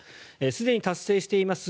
すでに達成しています